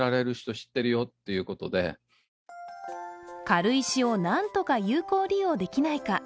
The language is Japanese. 軽石をなんとか有効利用できないか。